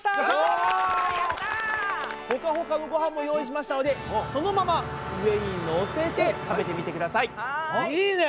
ホカホカのごはんも用意しましたのでそのまま上にのせて食べてみてください。